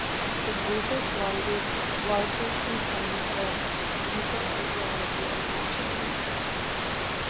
His research largely concerns the ecophysiology of lichens.